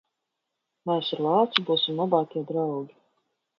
Mēs ar lāci būsim labākie draugi.